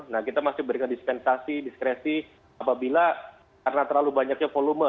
nah kita masih berikan dispensasi diskresi apabila karena terlalu banyaknya volume